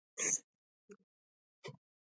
لمریز ځواک د افغانستان د پوهنې نصاب کې شامل دي.